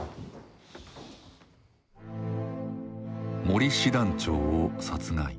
森師団長を殺害。